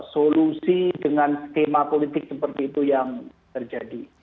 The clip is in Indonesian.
solusi dengan skema politik seperti itu yang terjadi